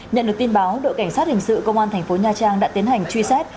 nhận được tin báo đội cảnh sát hình sự công an thành phố nha trang đã tiến hành truy xét